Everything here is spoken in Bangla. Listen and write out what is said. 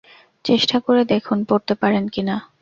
চেষ্টা করে দেখুন, পড়তে পারেন কি না।